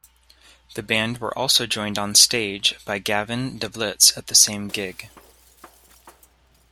The band were also joined onstage by Gavin da Blitz at the same gig.